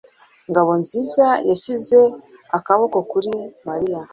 Ngabonziza yashyize akaboko kuri Mariya.